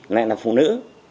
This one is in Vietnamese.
lại là phụ nữ